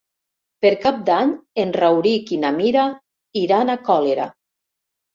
Per Cap d'Any en Rauric i na Mira iran a Colera.